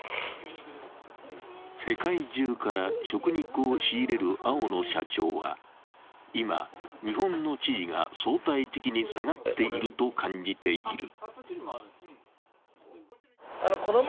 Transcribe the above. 世界中から食肉を仕入れる青野社長は、今、日本の地位が相対的に下がっていると感じている。